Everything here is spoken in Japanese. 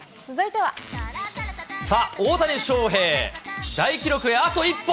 さあ、大谷翔平、大記録へあと一歩。